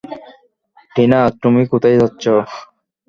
টিনা, তুমি কোথায় যাচ্ছ?